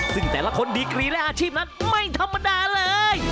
ซึ่งแต่ละคนดีกรีและอาชีพนั้นไม่ธรรมดาเลย